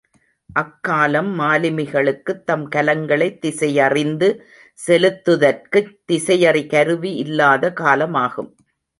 அக்காலம் மாலுமிகளுக்குத் தம் கலங்களைத் திசையறிந்து செலுத்துதற்குத் திசையறி கருவி இல்லாத காலமாகும்.